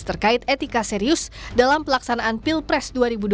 terkait etika serius dalam pelaksanaan pilpres dua ribu dua puluh